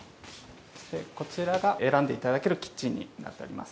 こちらが、選んでいただけるキッチンになっております。